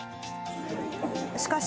しかし、